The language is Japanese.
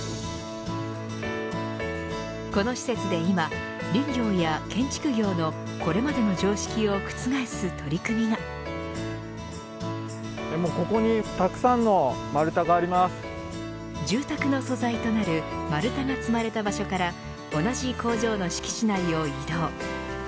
この施設で今、林業や建築業のこれまでの常識を覆す住宅の素材となる丸太が積まれた場所から同じ工場の敷地内を移動。